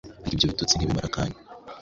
ariko ibyo bitotsi ntibimara akanya.